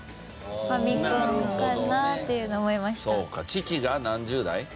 父が何十代？